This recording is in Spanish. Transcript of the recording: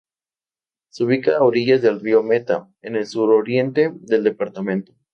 Se ubica a orillas del río Meta, en el suroriente del departamento.